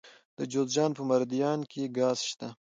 د جوزجان په مردیان کې ګاز شته.